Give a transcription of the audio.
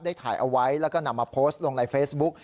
ถ่ายเอาไว้แล้วก็นำมาโพสต์ลงในเฟซบุ๊ก